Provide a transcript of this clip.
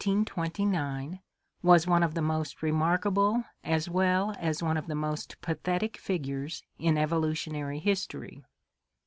Lamarck (1744 1829) was one of the most remarkable as well as one of the most pathetic figures in evolutionary history.